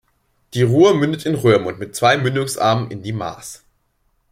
Die Rur mündet in Roermond mit zwei Mündungsarmen in die Maas.